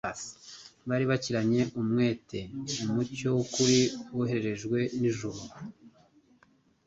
Bari bakiranye umwete umucyo w’ukuri wohererejwe n'ijuru